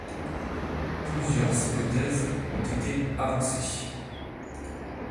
Plusieurs hypothèses ont été avancées.